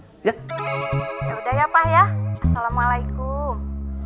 yaudah ya pak ya assalamualaikum